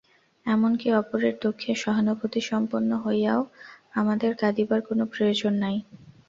এমন কি, অপরের দুঃখে সহানুভূতিসম্পন্ন হইয়াও আমাদের কাঁদিবার কোন প্রয়োজন নাই।